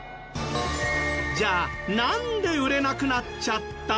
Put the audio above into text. じゃあなんで売れなくなっちゃった？